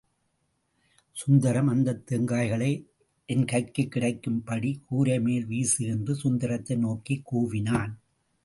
சுந்தரம், அந்தத் தேங்காய்களை என்கைக்குக் கிடைக்கும் படி கூரை மேல் வீசு என்று சுந்தரத்தை நோக்கிக் கூவினான்.